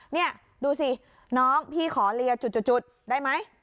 นี่ดูสิน้องพี่ขอเลียจุดได้ไหม